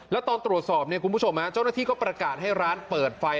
แล้วตอนตรวจสอบเนี่ยคุณผู้ชมเจ้าหน้าที่ก็ประกาศให้ร้านเปิดไฟ